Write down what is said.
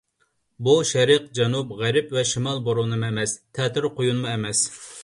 بۇ شەرق، جەنۇب، غەرب ۋە شىمال بورىنىمۇ ئەمەس، تەتۈر قۇيۇنمۇ ئەمەس.